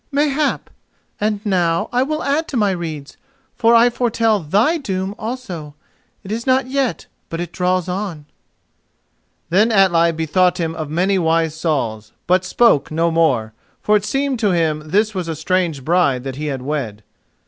"Mayhap! And now I will add to my redes, for I foretell thy doom also: it is not yet, but it draws on." Then Atli bethought him of many wise saws, but spoke no more, for it seemed to him this was a strange bride that he had wed.